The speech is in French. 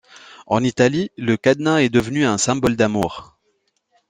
En Italie, le cadenas est devenu un symbole d'amour.